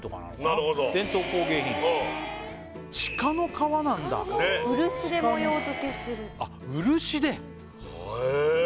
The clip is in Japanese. なるほど伝統工芸品鹿の革なんだ漆で模様付けしてるあっ漆でへえ